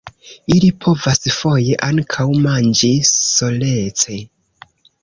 Ili povas foje ankaŭ manĝi solece.